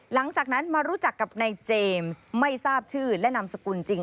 หลังจากนั้นมารู้จักกับนายเจมส์ไม่ทราบชื่อและนามสกุลจริง